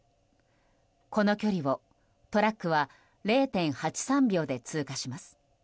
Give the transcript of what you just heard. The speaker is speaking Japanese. この距離をトラックは０．８３秒で通過します。